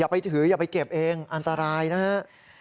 ไปเก็บเองอันตรายนะฮะ